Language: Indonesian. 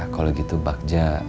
kalau gitu bakja